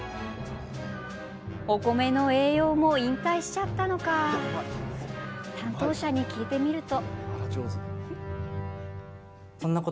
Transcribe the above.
お米の栄養も引退しちゃったのか担当者に聞いてみると。